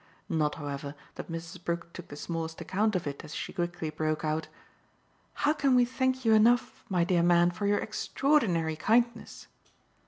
Not, however, that Mrs. Brook took the smallest account of it as she quickly broke out: "How can we thank you enough, my dear man, for your extraordinary kindness?"